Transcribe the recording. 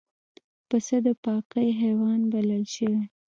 پسه د پاکۍ حیوان بلل شوی.